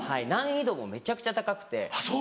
難易度もめちゃくちゃ高くて。